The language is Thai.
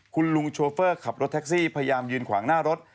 คุณลุงโชเฟอร์ขับรถแท็กซี่พยายามยืนขวางหน้ารถ